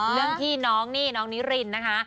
เรื่องพี่น้องนี่น้องนิรินนะคะ